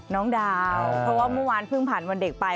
น้องดาวเพราะว่าเมื่อวานเพิ่งผ่านวันเด็กไป